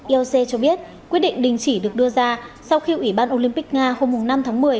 ioc cho biết quyết định đình chỉ được đưa ra sau khi ủy ban olympic nga hôm năm tháng một mươi